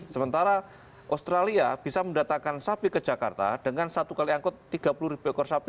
sementara australia bisa mendatangkan sapi ke jakarta dengan satu kali angkut tiga puluh ribu ekor sapi dengan satu kali angkut tiga puluh ribu ekor sapi